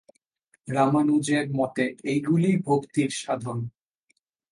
রামানুজের মতে এইগুলিই ভক্তির সাধন।